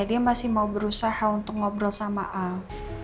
dia masih mau berusaha untuk ngobrol sama al